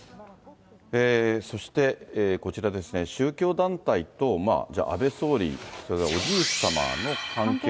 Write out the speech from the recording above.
そしてこちらですね、宗教団体とじゃあ、安倍総理、それからおじい様の関係。